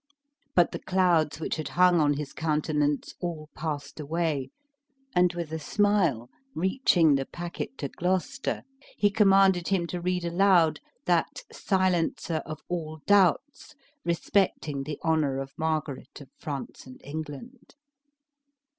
But the clouds which had hung on his countenance all passed away; and with a smile reaching the packet to Gloucester, he commanded him to read aloud "that silencer of all doubts respecting the honor of Margaret of France and England."